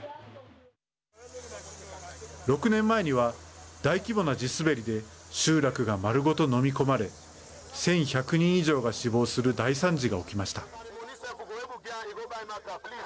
６年前には大規模な地滑りで集落が丸ごと飲み込まれ１１００人以上が死亡する大惨事が起きました。